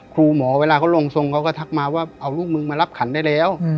ครูหมอเวลาเขาลงทรงเขาก็ทักมาว่าเอาลูกมึงมารับขันได้แล้ว